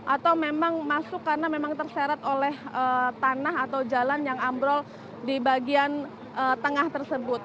atau memang masuk karena memang terseret oleh tanah atau jalan yang ambrol di bagian tengah tersebut